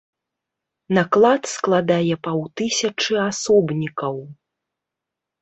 Наклад складае паўтысячы асобнікаў.